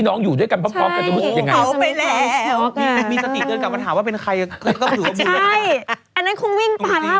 ร้อนโดนมือไม่รู้สึกเลยค่ะเมื่อกี้เขาส่งมา